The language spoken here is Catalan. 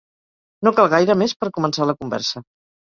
No cal gaire més per començar la conversa.